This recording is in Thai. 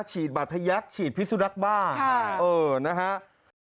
ฉีดบัตยักษ์ฉีดพิสุนักบ้าเออนะฮะค่ะ